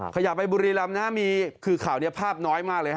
ขยับไปบุรีรำนะมีคือข่าวนี้ภาพน้อยมากเลยฮ